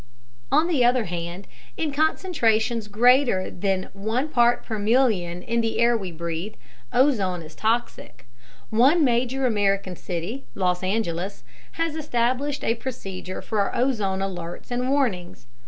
On the other hand, in concentrations greater than I part per million in the air we breathe, ozone is toxic; one major American city, Los Angeles, has established a procedure for ozone alerts and warnings.